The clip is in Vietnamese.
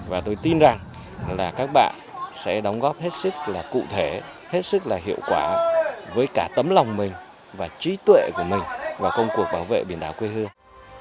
và tôi tin rằng là các bạn sẽ đóng góp hết sức là cụ thể hết sức là hiệu quả với cả tấm lòng mình và trí tuệ của mình vào công cuộc bảo vệ biển đảo quê hương